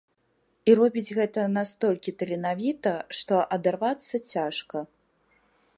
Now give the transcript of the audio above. І робіць гэта настолькі таленавіта, што адарвацца цяжка.